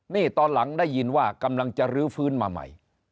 นี่ตอนหลังได้ยินว่ากำลังจะรื้อฟื้นมาใหม่